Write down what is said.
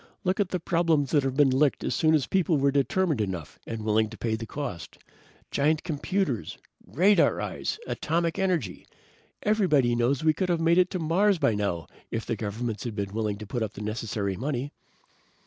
"Look at the problems that have been licked as soon as people were determined enough and willing to pay the cost. Giant computers, radar eyes, atomic energy. Everybody knows we could have made it to Mars by now if governments had been willing to put up the necessary money."